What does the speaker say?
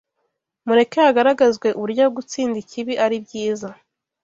mureke hagaragazwe uburyo gutsinda ikibi ari byiza